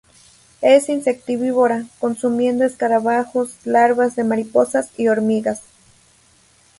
Es insectívora, consumiendo escarabajos, larvas de mariposas y hormigas.